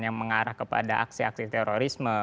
yang mengarah kepada aksi aksi terorisme